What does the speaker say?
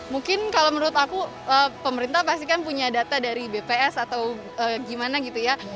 mungkin kalau menurut aku pemerintah pasti kan punya data dari bps atau gimana gitu ya